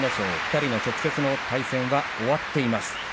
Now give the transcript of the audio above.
２人の直接の対戦は終わっています。